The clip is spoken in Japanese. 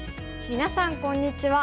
みなさんこんにちは。